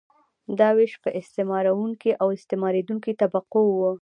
دا ویش په استثمارونکې او استثماریدونکې طبقو وو.